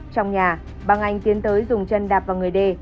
trong nhà băng anh tiến tới dùng chân đạp vào người đê